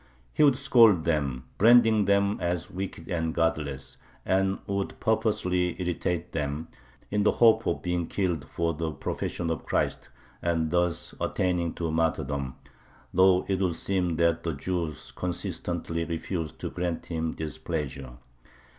He would scold them, branding them as wicked and godless, and would purposely irritate them, in the hope of being killed "for the profession of Christ" and thus attaining to martyrdom, though it would seem that the Jews consistently refused to grant him this pleasure.